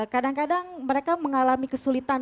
kadang kadang mereka mengalami kesulitan